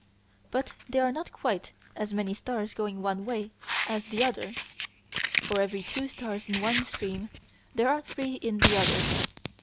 But there are not quite as many stars going one way as the other. For every two stars in one stream there are three in the other.